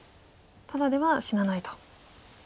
ただでは死なないと。